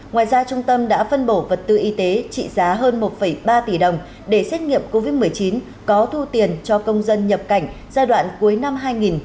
ngoài ra trung tâm đã phân bổ vật tư y tế trị giá hơn một ba tỷ đồng để xét nghiệm covid một mươi chín có thu tiền cho công dân nhập cảnh giai đoạn cuối năm hai nghìn hai mươi